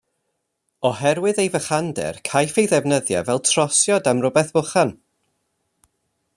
Oherwydd ei fychander, caiff ei ddefnyddio fel trosiad am rywbeth bychan.